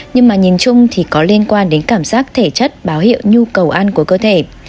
nhưng mà nhìn chung thì có liên quan đến cảm giác thể chất báo hiệu nhu cầu ăn của cơ thể